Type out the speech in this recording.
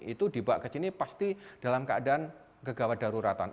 itu dibawa ke sini pasti dalam keadaan kegawat daruratan